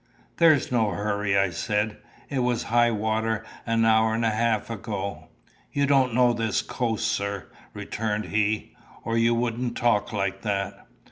"There's no hurry," I said. "It was high water an hour and a half ago." "You don't know this coast, sir," returned he, "or you wouldn't talk like that."